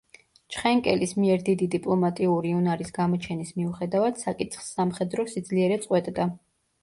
ჩხენკელის მიერ დიდი დიპლომატიური უნარის გამოჩენის მიუხედავად, საკითხს სამხედრო სიძლიერე წყვეტდა.